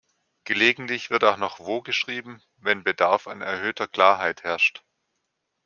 Gelegentlich wird auch noch „wo“ geschrieben, wenn Bedarf an erhöhter Klarheit herrscht.